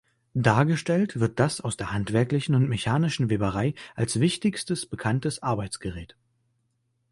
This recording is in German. Dargestellt wird das aus der handwerklichen und mechanischen Weberei als wichtigstes bekanntes Arbeitsgerät.